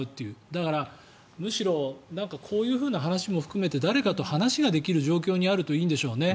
だから、むしろこういうふうな話も含めて誰かと話ができる状況にあるといいんでしょうね。